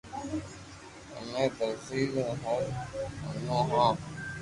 امي ائري ھر واتو مونو ھون